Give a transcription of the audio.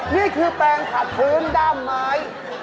นี่คือแปลงขัดพื้นด้ามไม้